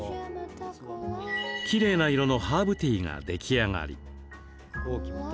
きれいな色のハーブティーが出来上がり。